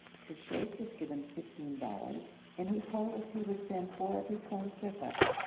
The sheikh was given fifteen dollars, and he told us he would send four of his sons with us.